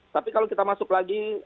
tapi kalau kita masuk lagi